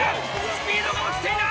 スピードが落ちていない！